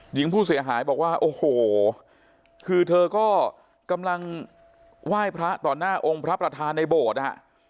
หญิงผู้เสียหายบอกว่าโอ้โหคือเธอก็กำลังไหว้พระต่อหน้าองค์พระประธานในโบสถ์นะฮะ